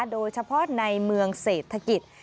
โดยเฉพาะในเมืองเศรษฐกิจ